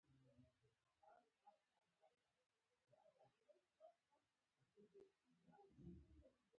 احمدشاه بابا د ډېرو جګړو مشري وکړه.